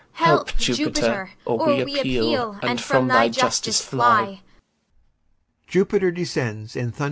BROTHERS. Help, Jupiter! or we appeal, And from thy justice fly.